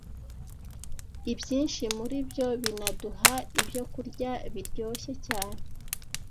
Ibyinshi muri byo binaduha ibyokurya biryoshye cyane